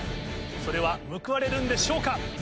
それは報われるんでしょうか？